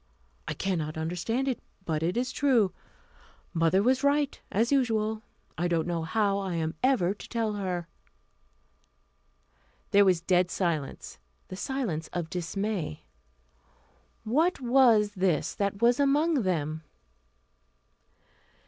I cannot understand it, but it is true. Mother was right, as usual. I don't know how I am ever to tell her." There was a dead silence the silence of dismay. What was this that was among them?